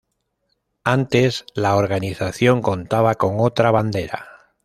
Antes la organización contaba con otra bandera.